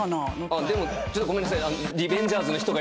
ちょっとごめんなさい。